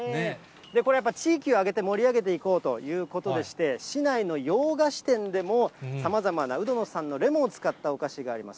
これやっぱり、地域を挙げて盛り上げていこうということでして、市内の洋菓子店でも、さまざまな鵜殿さんのレモンを使ったお菓子があります。